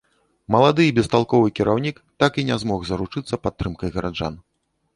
Малады і бесталковы кіраўнік так і не змог заручыцца падтрымкай гараджан.